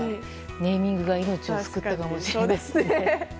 ネーミングが命を救ったかもしれないですね。